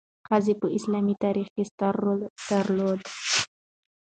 ښځې په اسلامي تاریخ کې ستر رول درلود.